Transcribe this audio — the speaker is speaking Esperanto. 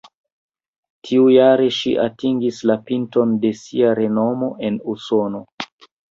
Tiujare ŝi atingis la pinton de sia renomo en Usono.